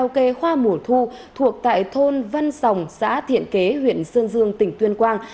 chủ quán karaoke hoa mùa thu thuộc tại thôn văn sòng xã thiện kế huyện sơn dương tỉnh tuyên quang